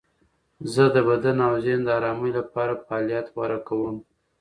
زه د بدن او ذهن د آرامۍ لپاره فعالیت غوره کوم.